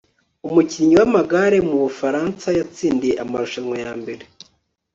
umukinnyi w'amagare mu bufaransa, yatsindiye amarushanwa ya mbere